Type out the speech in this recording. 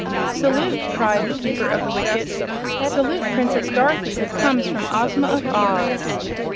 "Salute!" called the Keeper of the Wicket. "Salute Princess Dorothy, who comes from Ozma of Oz!"